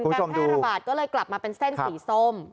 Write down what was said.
การแพร่ระบาดก็เลยกลับมาเป็นเส้นสีส้ม